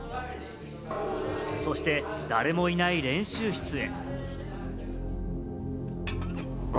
そして誰もいない練習室へ。